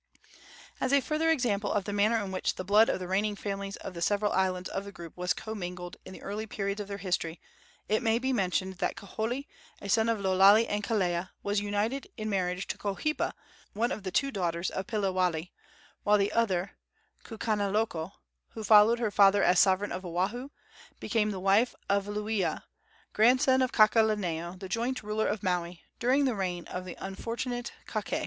As a further example of the manner in which the blood of the reigning families of the several islands of the group was commingled in the early periods of their history, it may be mentioned that Kaholi, a son of Lo Lale and Kelea, was united in marriage to Kohipa, one of the two daughters of Piliwale; while the other, Kukaniloko, who followed her father as sovereign of Oahu, became the wife of Luaia, grandson of Kakaalaneo, the joint ruler of Maui during the reign of the unfortunate Kakae.